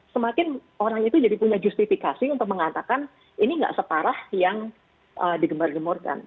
semakin orang itu jadi punya justifikasi untuk mengatakan ini nggak separah yang digemar gemurkan